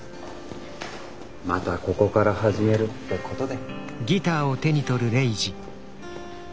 またここから始めるってことで。